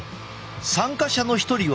参加者の一人は。